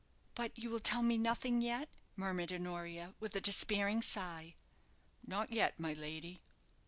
"But you will tell me nothing yet?" murmured Honoria, with a despairing sigh. "Not yet, my lady."